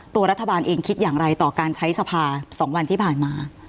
ตัวรัฐบาลเองคิดอย่างไรต่อการใช้สภา๒วันที่ผ่านมา